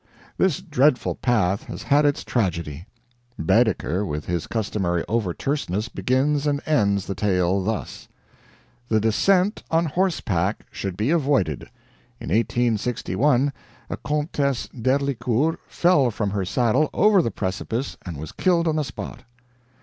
This dreadful path has had its tragedy. Baedeker, with his customary over terseness, begins and ends the tale thus: "The descent on horseback should be avoided. In 1861 a Comtesse d'Herlincourt fell from her saddle over the precipice and was killed on the spot."